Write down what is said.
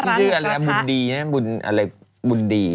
ที่คืออะไรบุญดีแบบนี้